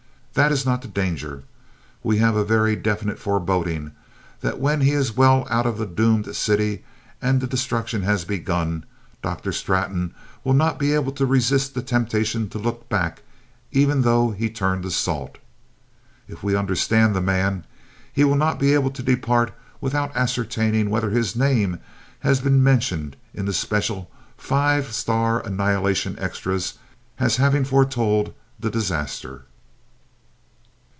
That is not the danger. We have a very definite foreboding that when he is well out of the doomed city and the destruction has begun, Dr. Straton will not be able to resist the temptation to look back even though he turn to salt. If we understand the man, he will not be able to depart without ascertaining whether his name has been mentioned in the special five star annihilation extras as having foretold the disaster.